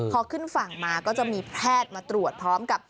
พอขึ้นฝั่งมาก็จะมีแพทย์มาตรวจพร้อมกับ